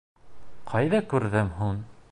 Ҡайҙа күрҙем һуң?